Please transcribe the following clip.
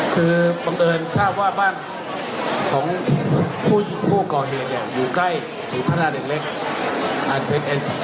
คือบังเอิญทราบว่าร่างว่าบ้านของผู้อยู่ใกล้ศิลปนาเด็ดเล็ก